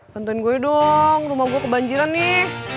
bantuin gue dong rumah gue kebanjiran nih